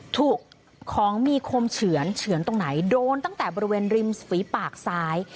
ถูกของมีคมเฉือนเฉือนตรงไหนโดนตั้งแต่บริเวณริมฝีปากซ้าย